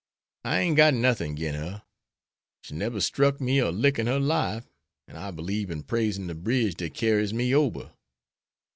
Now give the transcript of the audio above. I ain't got nothin' agin her. She neber struck me a lick in her life, an' I belieb in praising de bridge dat carries me ober.